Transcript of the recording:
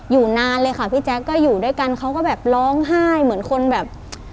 นานเลยค่ะพี่แจ๊คก็อยู่ด้วยกันเขาก็แบบร้องไห้เหมือนคนแบบ